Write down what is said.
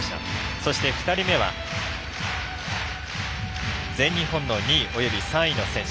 そして２人目は全日本の２位および３位の選手。